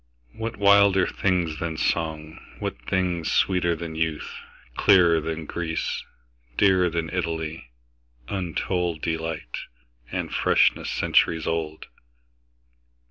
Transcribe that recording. What wilder things than song, what thingsSweeter than youth, clearer than Greece, Dearer than Italy, untoldDelight, and freshness centuries old?